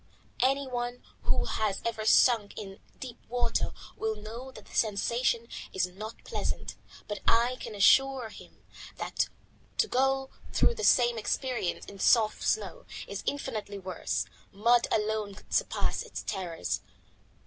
Any one who has ever sunk in deep water will know that the sensation is not pleasant, but I can assure him that to go through the same experience in soft snow is infinitely worse; mud alone could surpass its terrors.